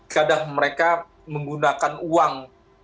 kadang mereka menggunakan uang